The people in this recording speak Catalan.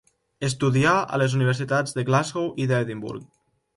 Estudià a les universitats de Glasgow i d'Edimburg.